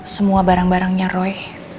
semua barang barangnya roy